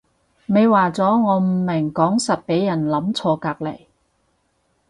咪話咗我唔明講實畀人諗錯隔離